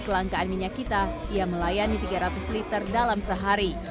kelangkaan minyak kita ia melayani tiga ratus liter dalam sehari